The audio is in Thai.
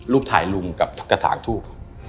ถ่ายลุงกับกระถางทูบ